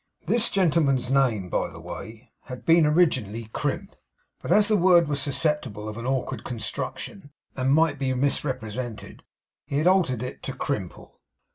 This gentleman's name, by the way, had been originally Crimp; but as the word was susceptible of an awkward construction and might be misrepresented, he had altered it to Crimple.